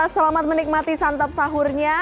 selamat menikmati santep sahurnya